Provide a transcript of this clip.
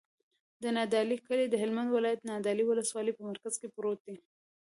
د نادعلي کلی د هلمند ولایت، نادعلي ولسوالي په مرکز کې پروت دی.